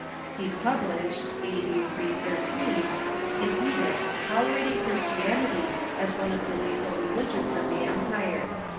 He published (a.d. 313) an edict tolerating Christianity as one of the legal relig ions of the empire.